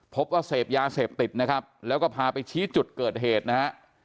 พบว่าเสพยาเสพติดนะครับแล้วก็พาไปชี้จุดเกิดเหตุนะฮะ